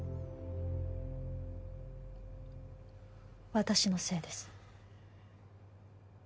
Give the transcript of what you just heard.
私のせいです